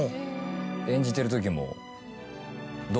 演じてるときも。